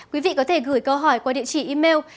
quý vị có thể gửi câu hỏi qua địa chỉ email